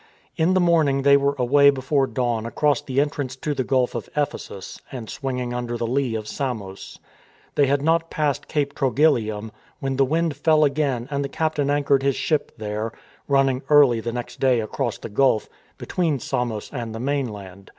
In the morning they were away before dawn across the entrance to the Gulf of Ephesus and swinging under the lee of Samos. They had not passed Cape Trogyl lium when the wind fell again and the captain anchored his ship there, running early the next day across the gulf, between Samos and the mainland.